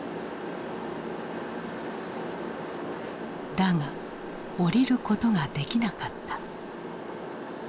だが降りることができなかった。